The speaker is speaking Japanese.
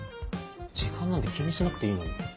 時間なんて気にしなくていいのに。